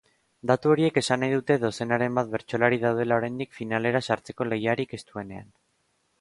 Datu horiek esan nahi dute dozenaren bat bertsolari daudela oraindik finalera sartzeko lehiarik estuenean.